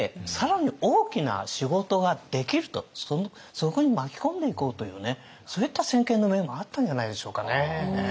そこに巻き込んでいこうというねそういった先見の明もあったんじゃないでしょうかね。